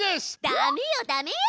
ダメよダメよ！